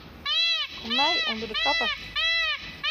Kom mei ûnder de kappe.